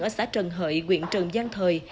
ở xã trần hợi nguyện trần giang thời